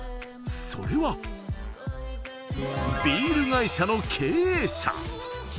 それはビール会社の経営者。